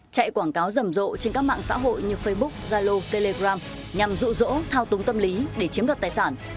chạy quảng cáo rầm rộ trên các mạng xã hội như facebook zalo telegram nhằm rụ rỗ thao túng tâm lý để chiếm đoạt tài sản